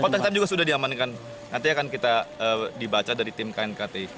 kotak hitam juga sudah diamankan nanti akan kita dibaca dari tim knkt